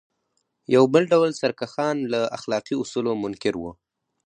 یو بل ډول سرکښان له اخلاقي اصولو منکر وو.